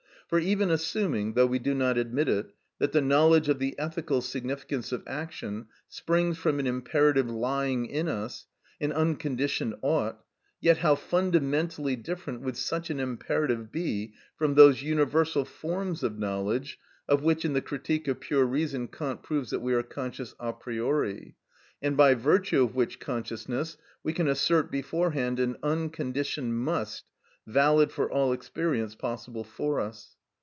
For, even assuming, though we do not admit it, that the knowledge of the ethical significance of action springs from an imperative lying in us, an unconditioned ought, yet how fundamentally different would such an imperative be from those universal forms of knowledge of which, in the "Critique of Pure Reason," Kant proves that we are conscious a priori, and by virtue of which consciousness we can assert beforehand an unconditioned must, valid for all experience possible for us.